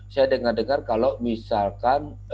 saya dengar dengar kalau misalkan